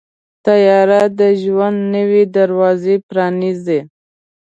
طیاره د ژوند نوې دروازې پرانیزي.